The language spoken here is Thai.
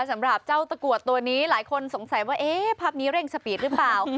สำหรับเจ้าตะกรวดตัวนี้หลายคนสงสัยว่าเอ๊ะภาพนี้เร่งสปีดหรือเปล่า